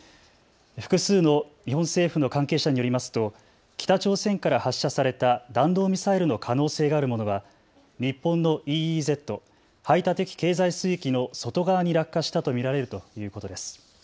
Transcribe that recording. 複数の日本政府の関係者によりますと北朝鮮から発射された弾道ミサイルの可能性があるものは日本のＥＥＺ・排他的経済水域の外側に落下したと見られるということです。